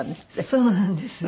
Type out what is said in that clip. そうなんです。